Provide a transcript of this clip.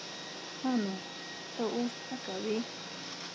ښه نو ته اوس څه کوې؟